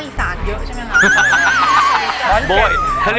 บ่อยเขาเรียกว่าบ่อย